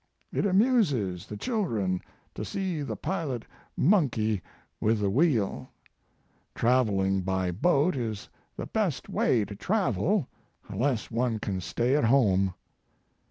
It amuses the children to see the pilot monkey with His Life and Work. 183 the wheel. Traveling by boat is the best way to travel unless one can stay at home.